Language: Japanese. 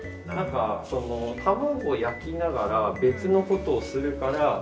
何か卵を焼きながら別のことをするから。